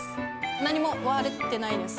何も割ってないです。